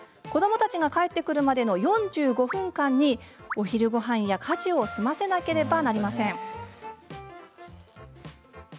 子どもたちが帰ってくるまでの４５分間にお昼ごはんや家事を済ませなければなりません。